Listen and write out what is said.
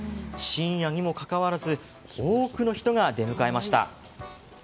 深夜にもかかわらず多くの人が出迎えました。